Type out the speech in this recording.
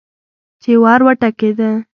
چې ور وټکېده.